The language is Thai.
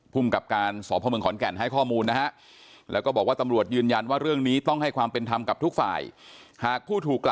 กับการสพเมืองขอนแก่นให้ข้อมูลนะฮะแล้วก็บอกว่าตำรวจยืนยันว่าเรื่องนี้ต้องให้ความเป็นธรรมกับทุกฝ่ายหากผู้ถูกกล่า